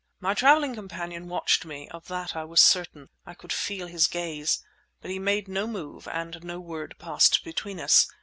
My travelling companion watched me; of that I was certain. I could feel his gaze. But he made no move and no word passed between us.